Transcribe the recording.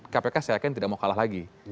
kpk saya yakin tidak mau kalah lagi